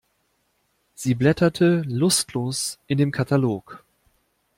Sie blätterte lustlos in dem Katalog.